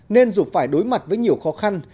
nên dù phải đối mặt với nhiều khó khăn